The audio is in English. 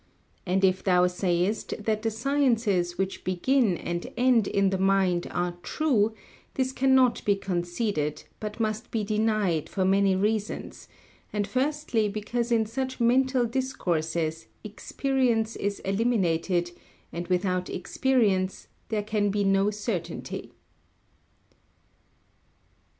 And if thou sayest that the sciences which begin and end in the mind are true, this cannot be conceded, but must be denied for many reasons, and firstly because in such mental discourses experience is eliminated, and without experience there can be no certainty.